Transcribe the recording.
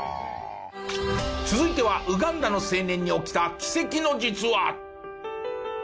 続いてはウガンダの青年に起きた奇跡の実話。